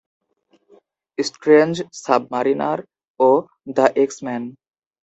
"Strange", "Submariner" ও "the X-Men".